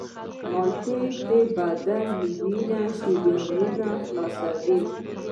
مالټې د بدن د وینې شریانونه خلاصوي.